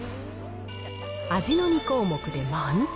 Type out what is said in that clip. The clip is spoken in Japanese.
味の２項目で満点。